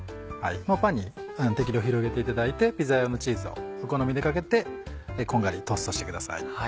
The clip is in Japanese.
パンに適量広げていただいてピザ用のチーズをお好みでかけてこんがりトーストしてください。